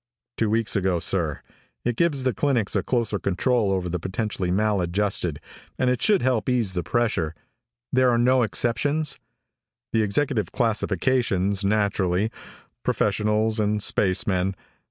"Two weeks ago, sir. It gives the clinics a closer control over the potentially maladjusted, and it should help ease the pressure " "There are no exceptions?" "The executive classifications, naturally professionals, and spacemen.